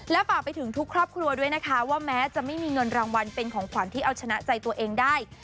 ฝากไปถึงทุกครอบครัวด้วยนะคะว่าแม้จะไม่มีเงินรางวัลเป็นของขวัญที่เอาชนะใจตัวเองได้